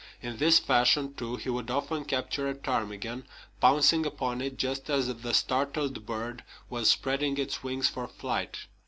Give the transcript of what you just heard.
In this fashion, too, he would often capture a ptarmigan, pouncing upon it just as the startled bird was spreading its wings for flight.